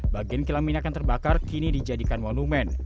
bagian kilam minyak yang terbakar kini dijadikan monumen